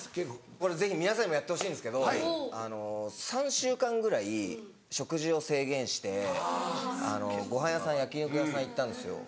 これぜひ皆さんにもやってほしいんですけど３週間ぐらい食事を制限してご飯屋さん焼き肉屋さん行ったんですよ。